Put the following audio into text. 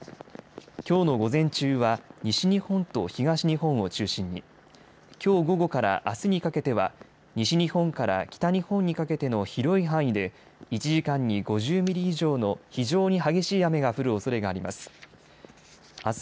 きょうの午前中は西日本と東日本を中心に、きょう午後からあすにかけては西日本から北日本にかけての広い範囲で１時間に５０ミリ以上の非常に激しい雨が降るおそれがあります。